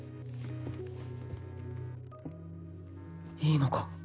いいのか？